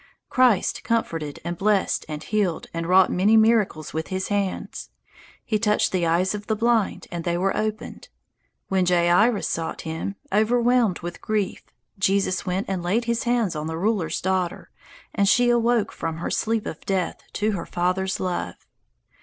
Christ comforted and blessed and healed and wrought many miracles with his hands. He touched the eyes of the blind, and they were opened. When Jairus sought him, overwhelmed with grief, Jesus went and laid his hands on the ruler's daughter, and she awoke from the sleep of death to her father's love.